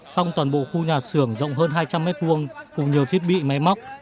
song toàn bộ khu nhà sườn rộng hơn hai trăm linh m hai cùng nhiều thiết bị máy móc